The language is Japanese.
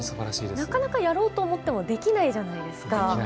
なかなかやろうと思ってもできないじゃないですか。